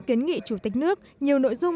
kiến nghị chủ tịch nước nhiều nội dung